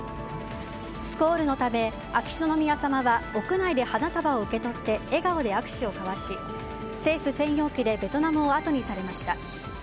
スコールのため秋篠宮さまは屋内で花束を受け取って笑顔で握手を交わし政府専用機でベトナムをあとにされました。